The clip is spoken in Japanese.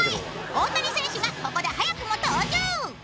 大谷選手がここで早くも登場！